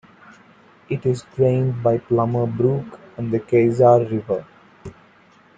It is drained by Plummer Brook and the Kezar River.